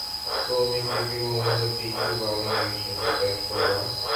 قومی کرکٹر محمد حفیظ کے bowling action کا ٹیسٹ ہو گا